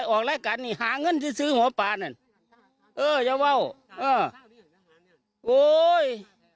ออกรายการนี่หาเงินซื้อหมอปลานั่นเอออย่าว่าวเออโอ้ย